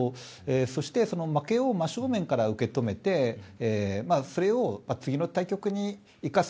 そして、負けを真正面から受け止めてそれを次の対局に生かす。